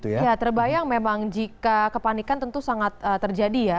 ya terbayang memang jika kepanikan tentu sangat terjadi ya